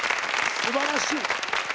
すばらしい！